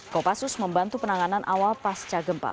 kopassus membantu penanganan awal pasca gempa